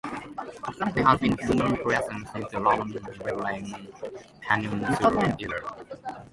There has been human presence since the Roman Iberian Peninsula era.